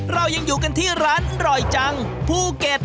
เรายังอยู่กันที่ร้านอร่อยจังภูเก็ต